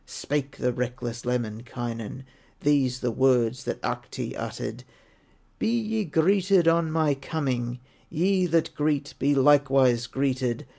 Spake the reckless Lemminkainen, These the words that Ahti uttered: "Be ye greeted on my coming, Ye that greet, be likewise greeted!